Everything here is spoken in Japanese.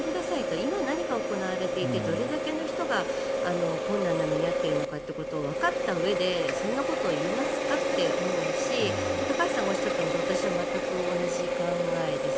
今何が行われていてどれだけの人が困難な目に遭っているのかわかったうえでそんなことを言えますかって思うし高橋さんがおっしゃったのと私は全く同じ考えです。